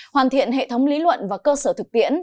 hoàn thiện hệ thống lý luận và cơ sở thực tiễn